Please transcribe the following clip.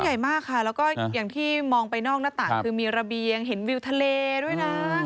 ใหญ่มากค่ะแล้วก็อย่างที่มองไปนอกหน้าต่างคือมีระเบียงเห็นวิวทะเลด้วยนะ